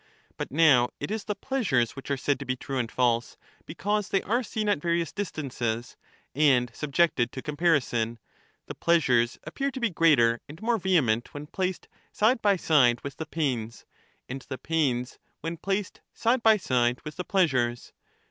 But now it is the pleasures which are said to be true and false because they are seen at various distances, and subjected to comparison ; the pleasures appear to be greater and more vehement when placed side by side with the pains, and the pains when placed side by side with the pleasures.